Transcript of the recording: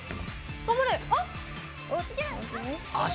あっ！